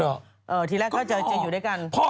เออทีแรกเขาจะอยู่ด้วยกันก็รอ